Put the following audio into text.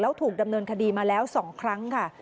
แล้วถูกดำเนินคดีมาแล้ว๒ครั้งค่ะ